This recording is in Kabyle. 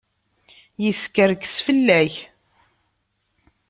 Yeskerkes fell-ak.